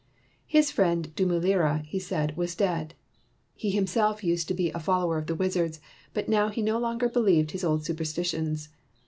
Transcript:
His friend Dumulira, he said, was dead. He himself used to be a follower of the wizards, but now he no longer believed his old superstitions.